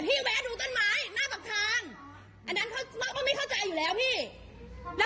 ใช่ใจค่ะแต่ถ้าเกิดขนาดลำทอดของแต่ไรขึ้นมา